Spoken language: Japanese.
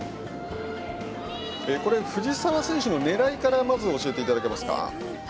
これ藤澤選手の狙いからまず教えていただけますか？